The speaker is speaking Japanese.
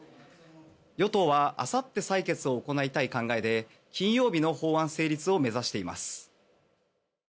与党はあさって採決を行いたい考えで金曜日の法案成立を目指しています。